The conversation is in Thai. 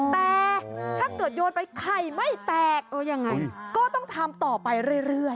แต่ถ้าเกิดโยนไปไข่ไม่แตกเออยังไงก็ต้องทำต่อไปเรื่อย